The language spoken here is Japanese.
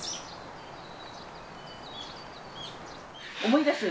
思い出す？